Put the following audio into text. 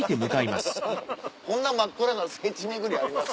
こんな真っ暗な聖地巡りあります？